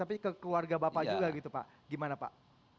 tapi ke keluarga bapak juga gitu pak gimana pak